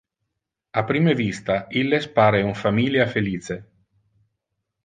A prime vista, illes pare un familia felice.